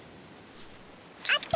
あった！